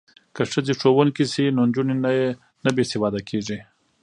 که ښځې ښوونکې شي نو نجونې نه بې سواده کیږي.